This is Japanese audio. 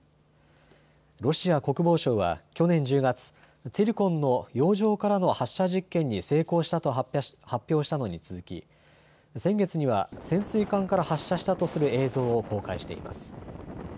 ロシア国防省は去年１０月、ツィルコンの洋上からの発射実験に成功したと発表したのに続き先月には潜水艦から発射したとする映像を公開しています。